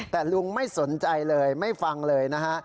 แต่ลุงไม่สนใจเลยไม่ฟังเลยนะฮะ